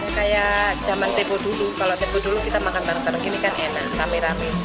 kayak zaman tebo dulu kalau tebo dulu kita makan taruh taruh gini kan enak rame rame